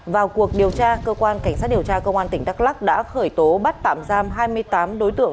vào cuộc điều tra cơ quan cảnh sát điều tra công an tỉnh đắk lắc đã khởi tố bắt tạm giam hai mươi tám đối tượng